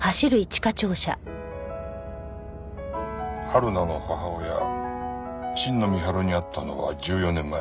はるなの母親新野美春に会ったのは１４年前。